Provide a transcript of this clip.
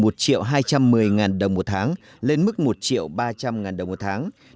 mức lương cơ sở từ một hai trăm một mươi đồng một tháng lên mức một ba trăm linh đồng một tháng